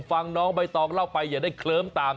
ฟังน้องใบตองเล่าไปอย่าได้เคลิ้มตาม